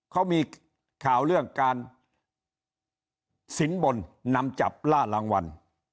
เขามีข่าวเรื่องการสินบนนำจับล่ารางวัล